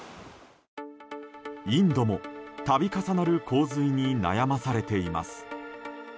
インドも度重なる洪水に悩まされています。